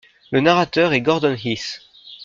Le narrateur est Gordon Heath.